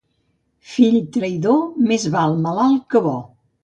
Fill traïdor, més val malalt que bo.